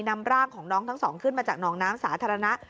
นำร่างของน้องทั้งสองขึ้นมาจากหนองน้ำสาธารณะ